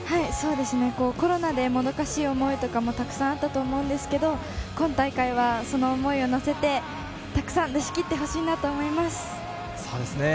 コロナでもどかしい思いとか、たくさんあったと思うんですけど、今大会はその思いを乗せて、たくさん出し切ってほしいなと思います。